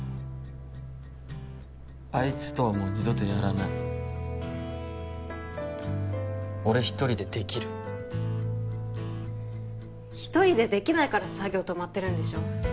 あいつとはもう二度とやらない俺一人でできる一人でできないから作業止まってるんでしょ？